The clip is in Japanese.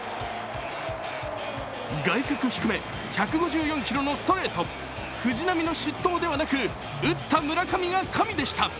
外角低め１５４キロのストレート、藤浪の失投ではなく打った村上が神でした。